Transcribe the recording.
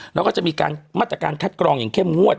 แล้วก็จะมีการมาตรการคัดกรองอย่างเข้มงวด